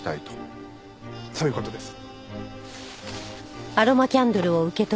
そういう事です。